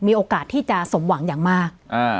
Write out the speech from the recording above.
มีโอกาสที่จะสมหวังอย่างมาก